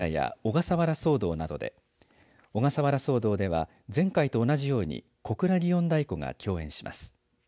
演目は義経千本桜や小笠原騒動などで小笠原騒動では前回と同じように小倉祇園太鼓が共演します。